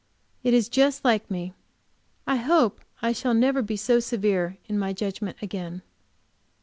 It is just like me; I hope I shall never be so severe in my judgment again.